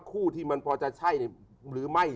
คู่ที่มันพอจะใช่หรือไม่